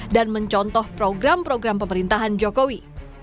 dan mencontoh program program pemerintahan jokowi